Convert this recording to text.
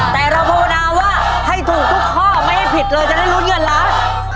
แต่เราภาวนาว่าให้ถูกทุกข้อไม่ให้ผิดเลยจะได้ลุ้นเงินล้าน